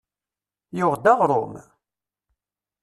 Yuɣ-d aɣrum?